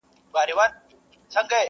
څارنوال سو په ژړا ویل بابا جانه،